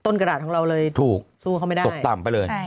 กระดาษของเราเลยถูกสู้เขาไม่ได้ตกต่ำไปเลย